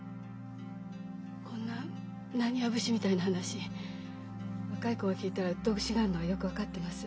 こんな浪花節みたいな話若い子が聞いたらうっとうしがるのはよく分かってます。